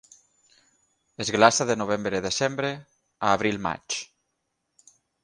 Es glaça de novembre-desembre a abril-maig.